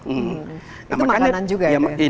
itu makanan juga ya